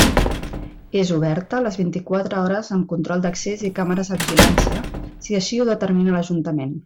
És oberta les vint-i-quatre hores amb control d'accés i càmeres de vigilància, si així ho determina l'Ajuntament.